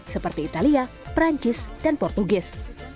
seperti italia perancis dan portugis